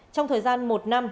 trong thời gian một năm